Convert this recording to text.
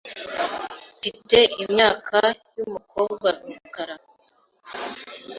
Mfite imyaka yumukobwa rukara .